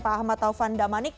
pak ahmad taufan damanik